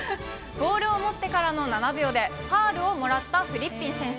ボールを持ってからの７秒でファウルをもらったフリッピン選手。